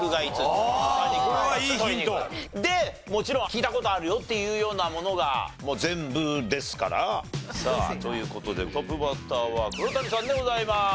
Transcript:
でもちろん聞いた事あるよっていうようなものがもう全部ですから。という事でトップバッターは黒谷さんでございます。